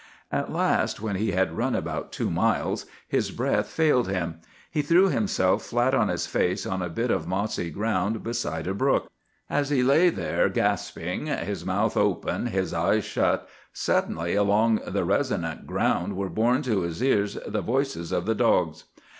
"At last, when he had run about two miles, his breath failed him. He threw himself flat on his face on a bit of mossy ground beside a brook. As he lay there gasping, his mouth open, his eyes shut, suddenly along the resonant ground were borne to his ears the voices of the dogs.